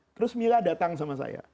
terus mila datang sama saya